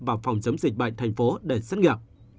và phòng chống dịch bệnh thành phố để xét nghiệm